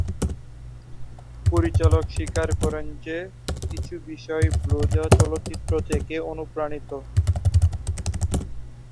পরিচালক স্বীকার করেন যে, কিছু বিষয় "ব্লু জ্যা" চলচ্চিত্র থেকে অনুপ্রাণিত।